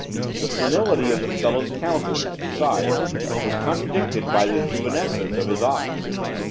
The senility of the fellow's countenance, besides, was contradicted by the juvenescence of his eyes.